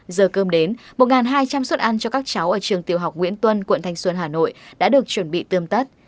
giờ cơm đến một hai trăm linh suất ăn cho các cháu ở trường tiểu học nguyễn tuân quận thanh xuân hà nội đã được chuẩn bị tươm tất